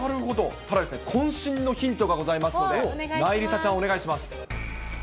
ただですね、こん身のヒントがございますので、なえりさちゃん、お願いします。